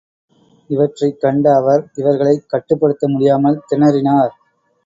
இவற்றைக் கண்ட அவர் இவர்களைக் கட்டுப்படுத்த முடியாமல் திணறினார்.